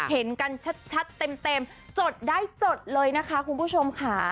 เห็นกันชัดเต็มจดได้จดเลยนะคะคุณผู้ชมค่ะ